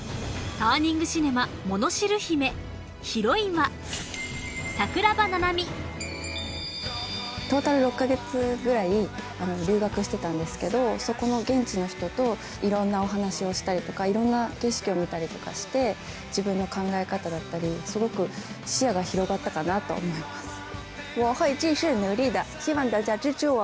ターニング映画ヒロインはトータル６か月ぐらい留学してたんですけどそこの現地の人といろんなお話しをしたりとかいろんな景色を見たりとかして自分の考え方だったりすごく視野が広がったかなとは思います。